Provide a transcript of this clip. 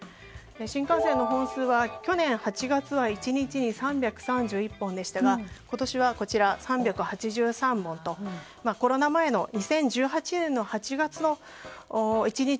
新幹線の本数は去年８月は３３１本でしたが今年は３８３本とコロナ前の２０１８年の８月の１日